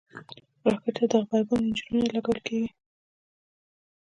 راکټ ته د غبرګون انجنونه لګول کېږي